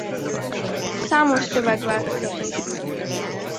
Számos szövegváltozata ismert.